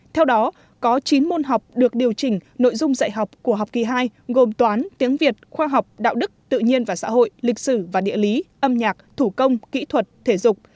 theo đó có chín môn học được điều chỉnh nội dung dạy học của học kỳ hai gồm toán tiếng việt khoa học đạo đức tự nhiên và xã hội lịch sử và địa lý âm nhạc thủ công kỹ thuật thể dục